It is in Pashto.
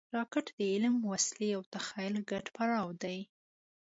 راکټ د علم، وسلې او تخیل ګډ پړاو دی